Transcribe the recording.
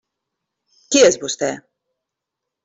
Qui és vostè?